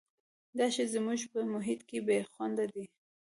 دا شی زموږ په محیط کې بې خونده دی.